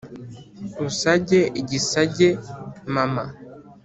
usage igisage mama